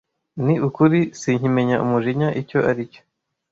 ni ukuri sinkimenya umujinya icyo ari cyo